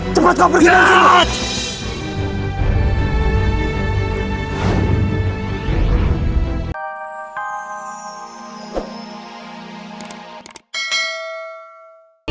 cepat kau pergi dari sini